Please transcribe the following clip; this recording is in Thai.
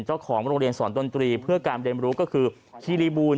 เจ้าของโรงเรียนสอนดนตรีเพื่อการเรียนรู้ก็คือคีรีบูล